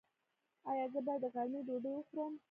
ایا زه باید د غرمې ډوډۍ وخورم؟